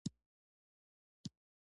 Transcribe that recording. که عرض له اتو مترو زیات شي نو پل جوړیږي